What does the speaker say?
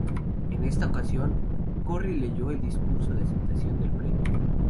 En esta ocasión Corry leyó el discurso de aceptación del premio.